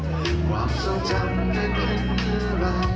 ความใจจำได้ขึ้นเมื่อไหร่